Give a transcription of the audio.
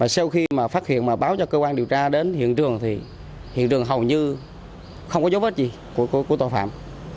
sau khi mà phát hiện mà báo cho cơ quan điều tra đến hiện trường thì hiện trường hầu như không có dấu vết gì của tội phạm